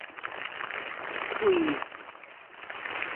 對